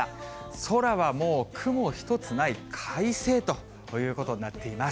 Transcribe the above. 空はもう、雲一つない快晴ということになっています。